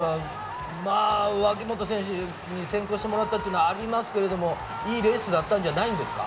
古性選手は脇本選手に先行してもらったのはありますけど、いいレースだったんじゃないんですか？